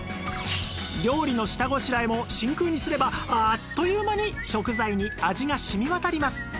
料理の下ごしらえも真空にすればあっという間に食材に味が染み渡ります